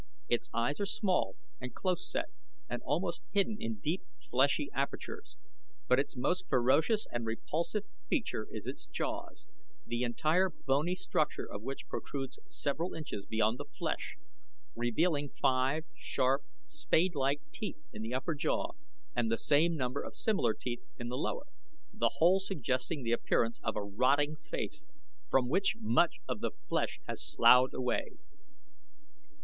Its eyes are small and close set, and almost hidden in deep, fleshy apertures. But its most ferocious and repulsive feature is its jaws, the entire bony structure of which protrudes several inches beyond the flesh, revealing five sharp, spadelike teeth in the upper jaw and the same number of similar teeth in the lower, the whole suggesting the appearance of a rotting face from which much of the flesh has sloughed away.